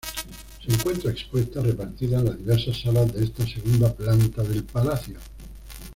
Se encuentra expuesta repartida en las diversas salas de esta segunda planta del palacio.